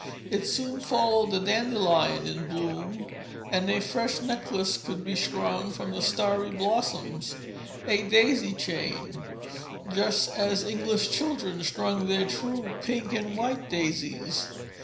It soon followed the dandelion in bloom, and a fresh necklace could be strung from the starry blossoms, a daisy chain, just as English children string their true pink and white daisies.